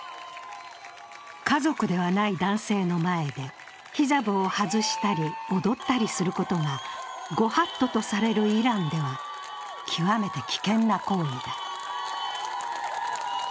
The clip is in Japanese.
家族ではない男性の前でヒジャブを外したり踊ったりすることが御法度とされるイランでは極めて危険な行為だ。